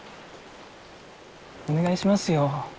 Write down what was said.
お願いしますよ。